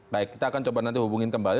baik kita akan coba nanti hubungin kembali